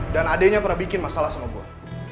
dan adeknya pernah bikin masalah sama gue